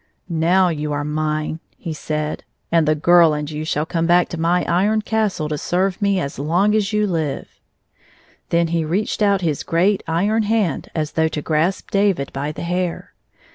" Now you are mine," he said. " And the girl and you shall come back to my Iron Castle to serve me as long as you live." Then he reached out his great iron hand as though to grasp David by the hair.